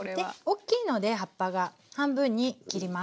おっきいので葉っぱが半分に切ります。